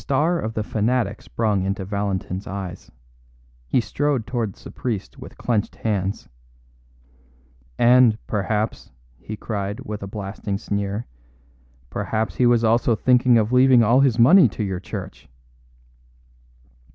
The star of the fanatic sprang into Valentin's eyes; he strode towards the priest with clenched hands. "And, perhaps," he cried, with a blasting sneer, "perhaps he was also thinking of leaving all his money to your church."